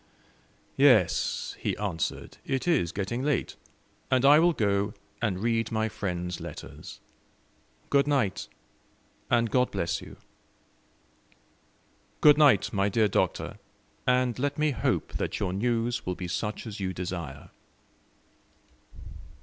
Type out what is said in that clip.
"Yes," he answered, "it is getting late; and I will go and read my friends' letters. Good night, and God bless you." "Good night, my dear Doctor; and let me hope that your news will be such as you desire."